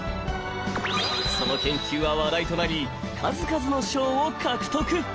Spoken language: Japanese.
その研究は話題となり数々の賞を獲得。